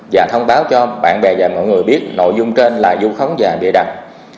và thông báo cho bạn bè và mọi người biết nội dung trên là du khống và bị đập